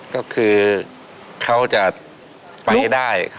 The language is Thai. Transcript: ก็โควะเขาจะไปได้